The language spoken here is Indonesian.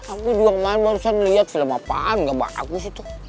aku dua kemarin barusan liat film apaan gak bagus itu